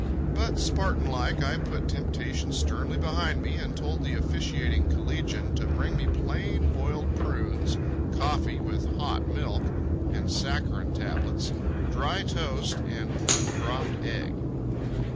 But Spartanlike I put temptation sternly behind me and told the officiating collegian to bring me plain boiled prunes, coffee with hot milk and saccharin tablets, dry toast and one dropped egg.